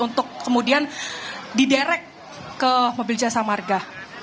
untuk kemudian diderek ke mobil jasa marga